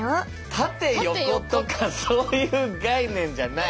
縦横とかそういう概念じゃない？